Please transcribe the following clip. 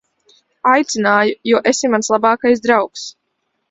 Aicināju, jo esi mans labākais draugs.